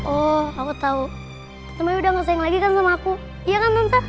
oh aku tau tante maya udah gak sayang lagi kan sama aku iya kan tante